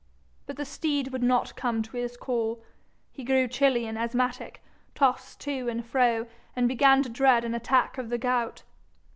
But the steed would not come to his call; he grew chilly and asthmatic, tossed to and fro, and began to dread an attack of the gout.